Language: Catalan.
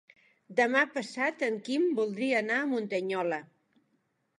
Demà passat en Quim voldria anar a Muntanyola.